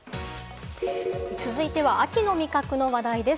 続いては秋の味覚の話題です。